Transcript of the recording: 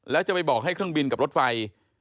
แล้วจะไปบอกให้เครื่องบินกับรถไฟ